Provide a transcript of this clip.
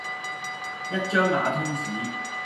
一張瓦通紙